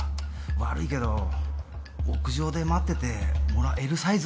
悪いけど屋上で待っててもらエルサイズ？